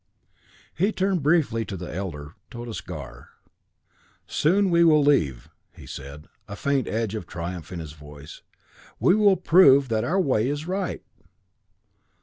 He turned briefly to the Elder, Tordos Gar. "Soon we leave," he said, a faint edge of triumph in his voice. "We will prove that our way is right."